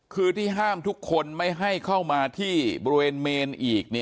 คือที่ห้ามทุกคนไม่ให้เข้ามาที่บริเวณเมนอีก